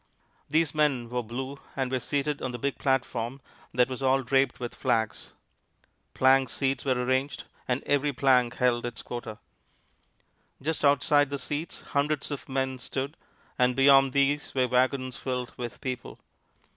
These men wore blue, and were seated on the big platform that was all draped with flags. Plank seats were arranged, and every plank held its quota. Just outside the seats hundred of men stood, and beyond these were wagons filled with people.